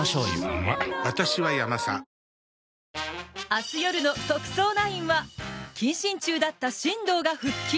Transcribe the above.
明日夜の「特捜９」は謹慎中だった新藤が復帰！